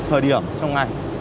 thời điểm trong ngày